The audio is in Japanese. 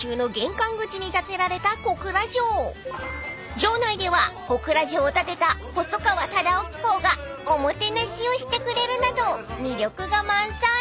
［城内では小倉城を建てた細川忠興公がおもてなしをしてくれるなど魅力が満載］